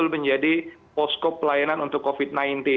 menjadi posko pelayanan untuk covid sembilan belas